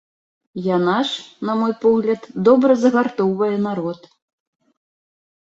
Яна ж, на мой погляд, добра загартоўвае народ.